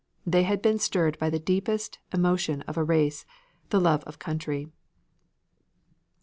They had been stirred by the deepest emotion of a race the love of country.